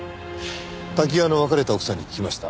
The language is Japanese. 瀧川の別れた奥さんに聞きました。